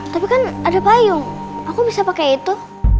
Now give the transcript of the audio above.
tapi kan ada payung aku bisa pakai itu